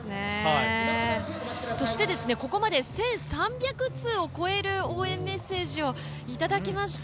そして、ここまで１３００通を超える応援メッセージをいただきました。